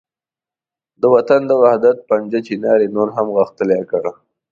د وطن د وحدت پنجه چنار یې نور هم غښتلې کړ.